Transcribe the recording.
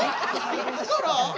いつから？